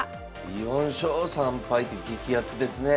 ４勝３敗って激アツですねえ。